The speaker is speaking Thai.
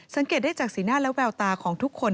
สังเกตได้จากสีหน้าและแววตาของทุกคน